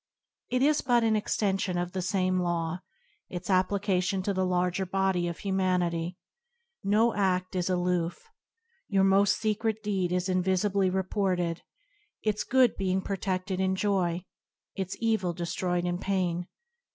It is but an extension of the same law; its applica tion to the larger body of humanity. No ad is aloof. Your most secret deed is invisibly reported, its good being proteded in joy, its evil destroyed in pain.